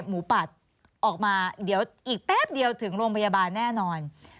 ปัดออกมาเดี๋ยวอีกแป๊บเดียวถึงโรงพยาบาลแน่นอน